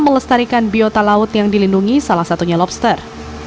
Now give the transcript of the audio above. melestarikan biota laut yang dilindungi salah satunya lobster